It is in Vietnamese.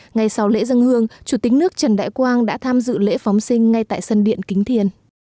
ngày sáu lễ dân hương chủ tính nước trần đại quang đã tham dự lễ phóng sinh ngay tại sân điện kính thiền